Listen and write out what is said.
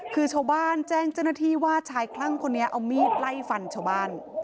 คือชาวบ้านแจ้งเจ้าหน้าที่ว่าชายคลั่งคนนี้เอามีดไล่ฟันชาวบ้าน